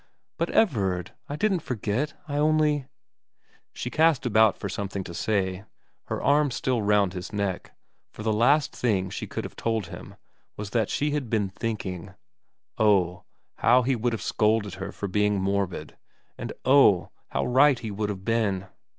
' But Everard I didn't forget I only ' She cast about for something to say, her arms still round his neck, for the last thing she could have told him was what she had been thinking oh, how he would have scolded her for being morbid, and oh, how right he would have been